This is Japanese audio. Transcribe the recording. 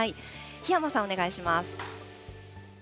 檜山さん、お願いします。